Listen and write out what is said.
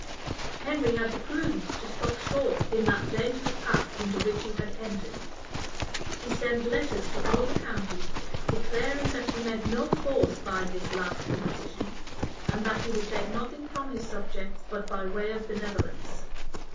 Henry had the prudence to stop short in that dangerous path into which he had entered. He sent letters to all the counties, declaring that he meant no force by this last imposition, and that he would take nothing from his subjects but by way of "benevolence."